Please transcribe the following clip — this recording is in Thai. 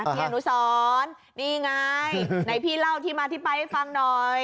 พี่อนุสรนี่ไงไหนพี่เล่าที่มาที่ไปให้ฟังหน่อย